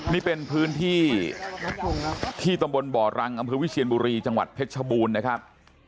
นี่เป็นพื้นที่ที่ตำบลบ่อรังอำเภอวิเชียนบุรีจังหวัดเพชรชบูรณ์นะครับ